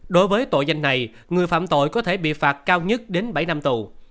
đối với tội danh này người phạm tội có thể bị phạt cao nhất đến bảy năm tù